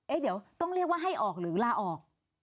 เดี๋ยวต้องเรียกว่าให้ออกหรือลาออก